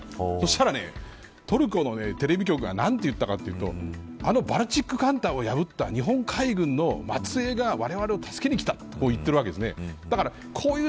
そうしたらトルコのテレビ局がなんて言ったかというとあのバルチック艦隊を破った日本海軍の末裔が助けに来たと言っているわけです。